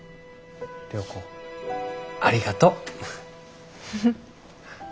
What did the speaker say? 良子ありがとう。フフッ。